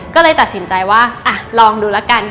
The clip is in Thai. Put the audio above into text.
ก็เลยตัดสินใจว่าลองดูแล้วกัน